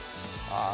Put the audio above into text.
あ